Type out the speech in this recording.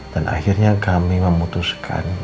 dan akhirnya kami memutuskan